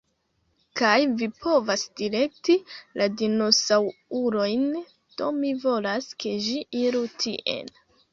Kaj vi povas direkti la dinosaŭrojn, do mi volas, ke ĝi iru tien.